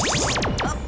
terima kasih dewi kala